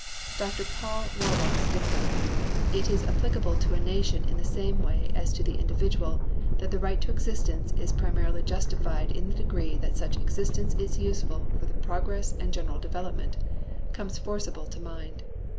Dr. Paul Rohrbach's dictum, "It is applicable to a nation in the same way as to the individual that the right of existence is primarily justified in the degree that such existence is useful for progress and general development," comes forcible to mind.